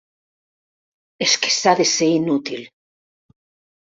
És que s'ha de ser inútil.